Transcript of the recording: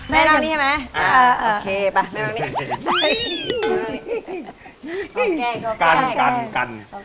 แม่นั่งนี้ใช่ไหมมานั่งนี้